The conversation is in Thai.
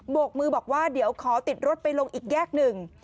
กมือบอกว่าเดี๋ยวขอติดรถไปลงอีกแยกหนึ่ง